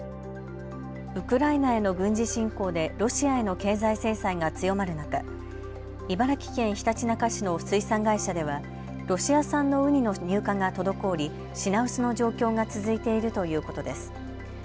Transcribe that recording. ウクライナへの軍事侵攻でロシアへの経済制裁が強まる中、茨城県ひたちなか市の水産会社ではロシア産のウニの入荷が滞り品薄の状況が続いているということです。